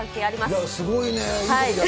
すごいね。